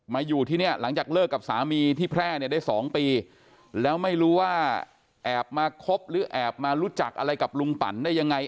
อยู่ที่เนี่ยหลังจากเลิกกับสามีที่แพร่เนี่ยได้๒ปีแล้วไม่รู้ว่าแอบมาคบหรือแอบมารู้จักอะไรกับลุงปั่นได้ยังไง